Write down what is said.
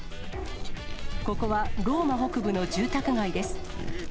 ここはローマ北部の住宅街です。